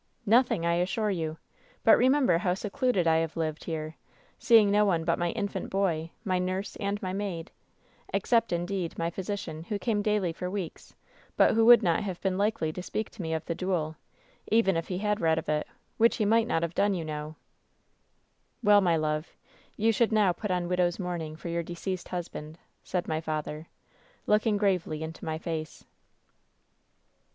" 'Nothing, I assure you. But remember how se cluded I have lived here, seeing no one but my infant boy, my nurse and my maid — except, indeed, my physi cian, who came daily for weeks, but who would not have been likely to speak to me of the duel, even if he had read of it, which he might not have done, you know/ *' 'Well, my love, you should now put on wUoVs mourning for your deceased husband/ said my faJher, looking gravely into my face."